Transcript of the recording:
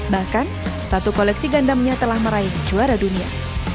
bahkan satu koleksi gandamnya telah meraih juara dunia